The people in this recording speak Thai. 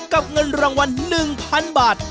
เงินรางวัล๑๐๐๐บาท